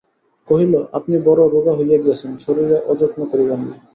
কহিল, আপনি বড়ো রোগা হইয়া গেছেন, শরীরের অযত্ন করিবেন না।